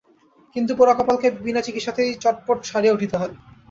কিন্তু পোড়াকপালকে বিনাচিকিৎসাতেই চটপট সারিয়া উঠিতে হয়।